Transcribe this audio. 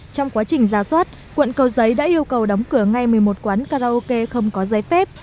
trong quá trình ra soát quận cầu giấy đã yêu cầu đóng cửa ngay một mươi một quán karaoke không có giấy phép